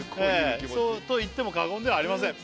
「と言っても過言ではありません」